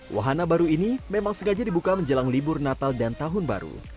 wahana baru ini memang sengaja dibuka menjelang libur natal dan tahun baru